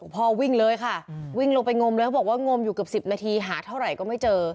พ่อวิ่งเลยค่ะวิ่งลงไปงมเลยเขาบอกว่างมอยู่เกือบ๑๐นาทีหาเท่าไหร่ก็ไม่เจอ